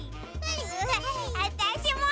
わたしも！